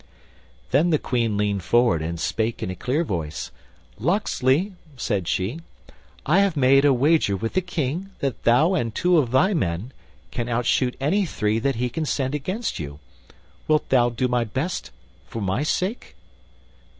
Then the Queen leaned forward and spake in a clear voice. "Locksley," said she, "I have made a wager with the King that thou and two of thy men can outshoot any three that he can send against you. Wilt thou do thy best for my sake?"